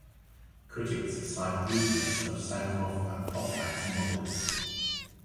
Critics cite weaknesses of Sankoff and Poplack's model.